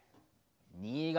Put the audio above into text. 新潟。